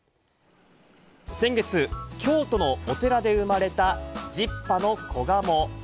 先月、京都のお寺で生まれた、１０羽の子ガモ。